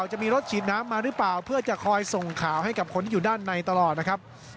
จะมีรถฉีดน้ำมาหรือเปล่าเพื่อจะคอยส่งข่าวให้กับคนที่อยู่ด้านในตลอดนะครับ